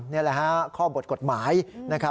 นี่แหละฮะข้อบทกฎหมายนะครับ